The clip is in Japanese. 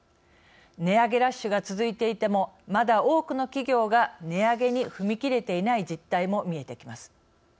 値上げラッシュが続いていてもまだ多くの企業が値上げに踏み切れていない実態も見えてきます。